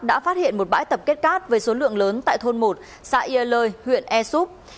đã phát hiện một bãi tập kết cát với số lượng lớn tại thôn một xã yê lơi huyện e soup